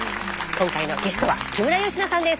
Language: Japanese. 今回のゲストは木村佳乃さんです。